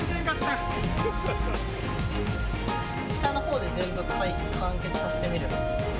下のほうで全部完結させてみれば。